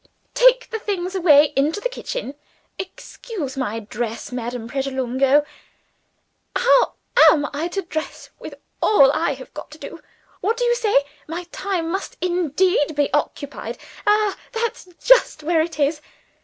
take the things away into the kitchen. Excuse my dress, Madame Pratolungo. How am I to dress, with all I have got to do? What do you say? My time must indeed be fully occupied? Ah, that's just where it is!